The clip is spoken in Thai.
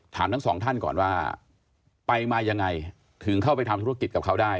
ทั้งสองท่านก่อนว่าไปมายังไงถึงเข้าไปทำธุรกิจกับเขาได้